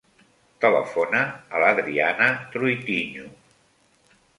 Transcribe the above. Telefona a l'Adriana Troitiño.